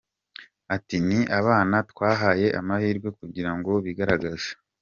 Ati “Ni abana twahaye amahirwe kugira ngo bigaragaze.